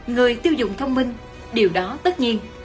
người tiêu dùng thông minh điều đó tất nhiên